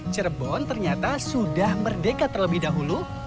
cirebon ternyata sudah merdeka terlebih dahulu